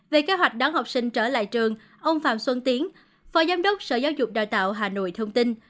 về kế hoạch đón học sinh trở lại trường ông phạm xuân tiến phó giám đốc sở giáo dục đào tạo hà nội thông tin